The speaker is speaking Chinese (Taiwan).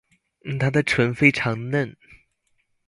她的唇非常嫩